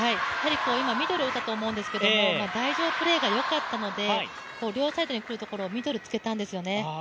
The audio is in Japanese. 今、ミドルを打ったと思うんですけど、台上プレーがよかったので、両サイドにくるところをミドルにつけたんですよね。